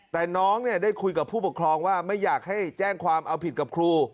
แต่น้องเนี่ยได้คุยกับผู้ปกครองว่าไม่อยากให้แจ้งความเอาผิดกับครู